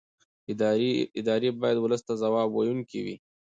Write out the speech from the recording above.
ادارې باید ولس ته ځواب ویونکې وي